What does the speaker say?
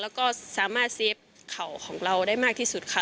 แล้วก็สามารถเซฟเข่าของเราได้มากที่สุดค่ะ